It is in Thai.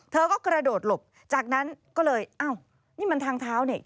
เธอก็กระโดดหลบจากนั้นก็เลยอ้าวนี่มันทางเท้าเนี่ย